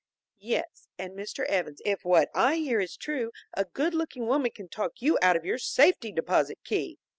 "Yes, and Mr. Evans, if what I hear is true, a good looking woman can talk you out of your safety deposit key!"